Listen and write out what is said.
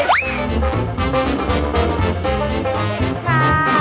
ขอบคุณค่ะ